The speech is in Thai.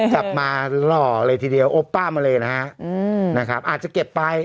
กลับมาหล่ออะไรทีเดียวโอป้ามาเลยนะฮะอืมนะครับอาจจะเก็บปลาย